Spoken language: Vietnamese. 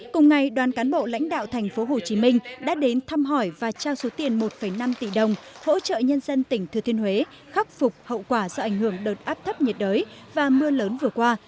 cùng ngày đoàn cán bộ lãnh đạo thành phố hồ chí minh đã đến thăm hỏi và trao số tiền một năm tỷ đồng hỗ trợ nhân dân tỉnh thừa thiên huế khắc phục hậu quả do ảnh hưởng đợt áp thấp nhiệt đới và mưa lớn vừa qua